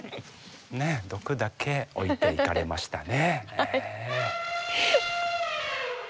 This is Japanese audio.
ねえ毒だけ置いていかれましたね。